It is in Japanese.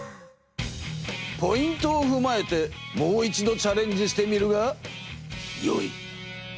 ポイントをふまえてもう一度チャレンジしてみるがよい！